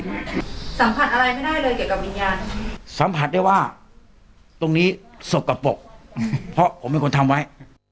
สัมผัสอะไรไม่ได้เลยเกี่ยวกับวิญญาณสัมผัสได้ว่าตรงนี้สกปรกอืมเพราะผมเป็นคนทำไว้